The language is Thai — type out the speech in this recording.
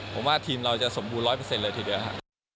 ผมว่าทีมเราจะสมบูร๑๐๐เลยทีเดียวครับ